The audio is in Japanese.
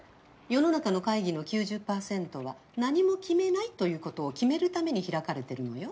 世の中の会議の９０％は何も決めないということを決めるために開かれてるのよ。